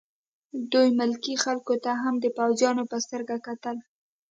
دوی ملکي خلکو ته هم د پوځیانو په سترګه کتل